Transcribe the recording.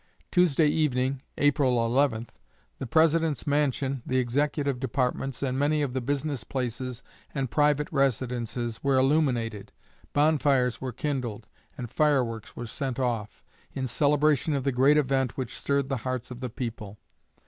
Tuesday evening, April 11, the President's mansion, the Executive Departments, and many of the business places and private residences, were illuminated, bonfires were kindled, and fireworks sent off, in celebration of the great event which stirred the hearts of the people.